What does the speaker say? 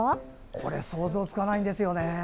これ想像つかないんですよね。